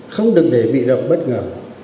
không được để bị độc bất ngờ